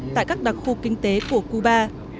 tại các đặc khu kinh tế của cuba